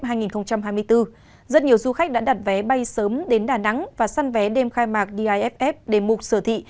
rất nhiều du khách đã đặt vé bay sớm đến đà nẵng và săn vé đêm khai mạc diff để mục sở thị